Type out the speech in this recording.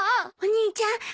お兄ちゃん